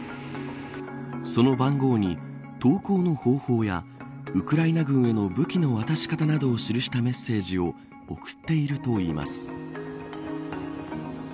その番号に投降の方法やウクライナ軍への武器の渡し方などを記したメッセージを送っているといいます。